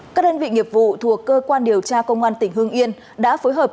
các đơn vị nghiệp vụ thuộc cơ quan điều tra công an tỉnh hương yên đã phối hợp